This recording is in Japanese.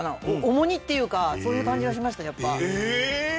重荷っていうかそういう感じがしましたやっぱ。